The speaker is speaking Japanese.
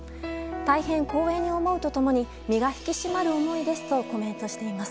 大変、光栄に思うと共に身が引き締まる思いですとコメントしています。